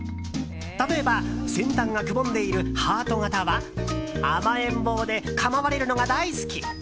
例えば、先端がくぼんでいるハート形は甘えん坊で構われるのが大好き。